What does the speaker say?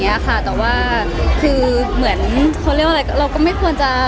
เนี้ยค่ะแต่ว่าเครื่องเรียกไว้เราก็ไม่ควรจะ